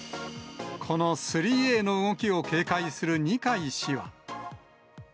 この３Ａの動きを警戒する二階氏は。